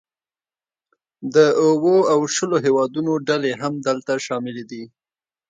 د اوو او شلو هیوادونو ډلې هم دلته شاملې دي